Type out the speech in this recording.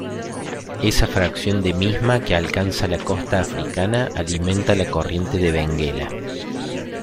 Esa fracción de misma que alcanza la costa africana alimenta la corriente de Benguela.